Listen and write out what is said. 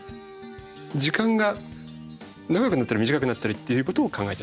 時間が長くなったり短くなったりっていうことを考えてなかった。